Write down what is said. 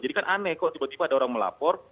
jadi kan aneh kok tiba tiba ada orang melapor